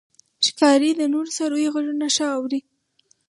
ښکاري د نورو څارویو غږونه ښه اوري.